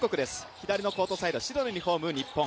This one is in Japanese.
左のコートサイド、白のユニフォーム、日本。